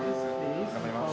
頑張ります。